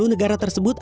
sepuluh negara tersebut